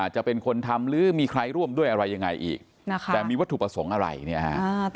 จะเป็นคนทำหรือมีใครร่วมด้วยอะไรยังไงอีกนะคะแต่มีวัตถุประสงค์อะไรเนี่ยฮะ